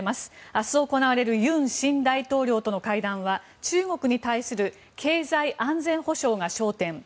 明日行われる尹新大統領との会談は中国に対する経済安全保障が焦点。